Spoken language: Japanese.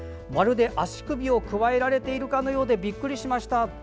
まるで足首をくわえられているかのようでびっくりしました。